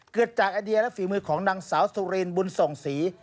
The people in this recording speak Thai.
เกิดจากไอเดียและฝีมือของนางสาวสุรินบุญส่งศรี